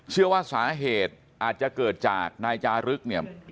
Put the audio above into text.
เชื่อว่าสาเหตุอาจจะเกิดจากนายจารึกเนี่ย